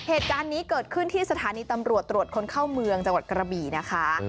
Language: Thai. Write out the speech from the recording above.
เหตุการณ์นี้เกิดขึ้นที่สถานีตำรวจตรวจคนเข้าเมืองจังหวัดกระบี่นะคะ